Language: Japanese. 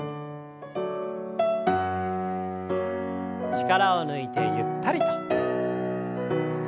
力を抜いてゆったりと。